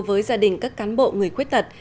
với gia đình các cán bộ người khuyết tật